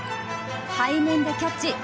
背面でキャッチ。